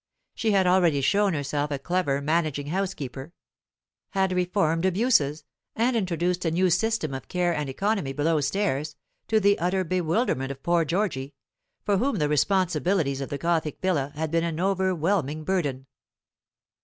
She had already shown herself a clever managing housekeeper; had reformed abuses, and introduced a new system of care and economy below stairs, to the utter bewilderment of poor Georgy, for whom the responsibilities of the gothic villa had been an overwhelming burden.